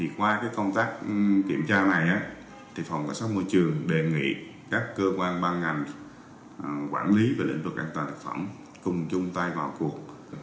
qua công tác kiểm tra này phòng cảnh sát môi trường đề nghị các cơ quan ban ngành quản lý về lĩnh vực an toàn thực phẩm cùng chung tay vào cuộc